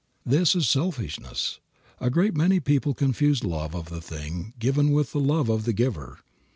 This is selfishness. A great many people confuse love of the thing given with love of the giver.